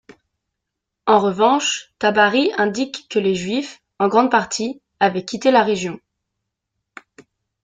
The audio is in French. En revanche Tabarî indique que les juifs, en grande partie, avaient quitté la région.